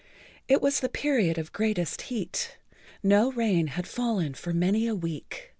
It was the Period of Greatest Heat. No rain had fallen for many a week.